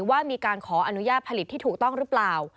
ว่ามีการขออนุญาตผลิตที่ถูกต้องหรือเปล่า